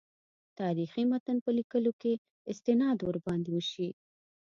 تاریخي متن په لیکلو کې استناد ورباندې وشي.